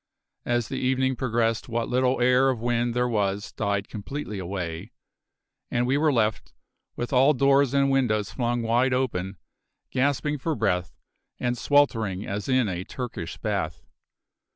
As the evening progressed what little air of wind there was died completely away, and we were left, with all doors and windows flung wide open, gasping for breath, and sweltering as in a Turkish bath.